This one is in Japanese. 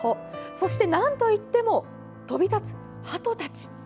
そして、なんといっても飛び立つはとたち。